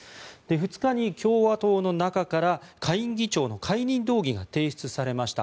２日に共和党の中から下院議長の解任動議が提出されました。